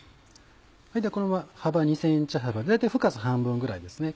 このまま２ｃｍ幅大体深さ半分ぐらいですね。